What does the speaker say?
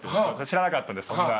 知らなかったんですそんな。